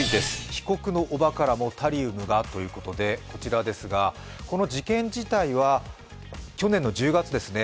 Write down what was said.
被告の叔母からもタリウムがということでこの事件自体は去年の１０月ですね。